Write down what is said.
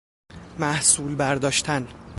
محصول برداشتن